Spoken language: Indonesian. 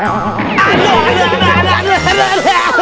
aduh aduh aduh